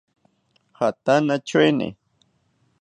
Jatana tyoeni